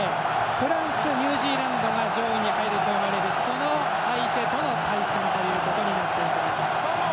フランス、ニュージーランドが上位に入るプールとの対戦ということになっていきます。